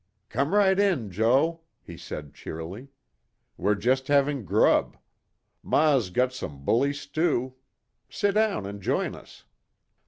"Come right in, Joe," he said cheerily. "We're just having grub. Ma's got some bully stew. Sit down and join us."